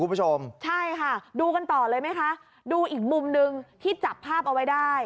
คุณผู้ชมใช่ค่ะดูกันต่อเลยไหมคะดูอีกมุมหนึ่งที่จับภาพเอาไว้ได้